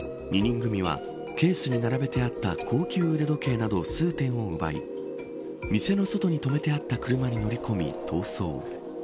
２人組は、ケースに並べてあった高級腕時計など数点を奪い店の外に止めてあった車に乗り込み、逃走。